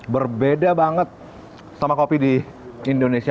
berbeda banget sama kopi di indonesia